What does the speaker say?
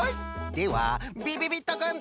ではびびびっとくん。